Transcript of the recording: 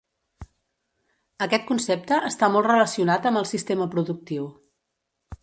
Aquest concepte està molt relacionat amb el sistema productiu.